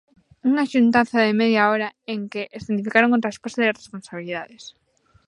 Unha xuntanza de media hora en que escenificaron o traspaso de responsabilidades.